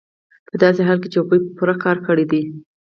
په داسې حال کې چې هغوی پوره کار کړی دی